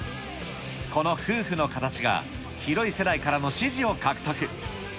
この夫婦の形が、広い世代からの支持を獲得。